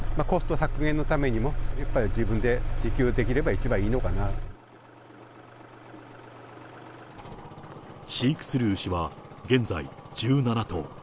コスト削減のためにもやっぱり自分で自給できれば、一番いいのか飼育する牛は現在、１７頭。